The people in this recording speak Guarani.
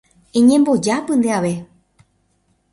eñembojápy ndeave.